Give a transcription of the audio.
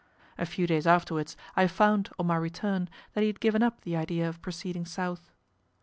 A few days afterwards I found, on my return, that he had given up the idea of proceeding south.